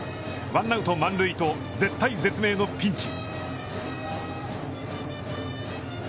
ワンアウト満塁と、絶体絶命のピンチ。